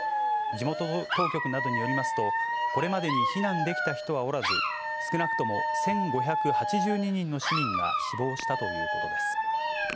地元当局などによりますと、これまでに避難できた人はおらず、少なくとも１５８２人の市民が死亡したということです。